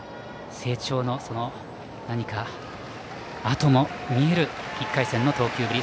成長のあとも見える１回戦の投球ぶり。